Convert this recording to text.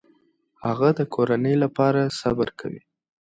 هغه د کورنۍ لپاره صبر کوي.